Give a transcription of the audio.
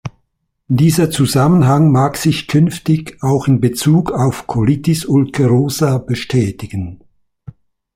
Dieser Zusammenhang mag sich künftig auch in Bezug auf Colitis ulcerosa bestätigen.